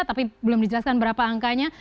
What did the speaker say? tapi belum dijelaskan berapa angkanya